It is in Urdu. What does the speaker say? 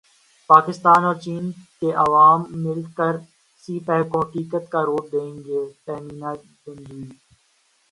پاکستان اور چین کے عوام مل کر سی پیک کو حقیقت کا روپ دیں گے تہمینہ جنجوعہ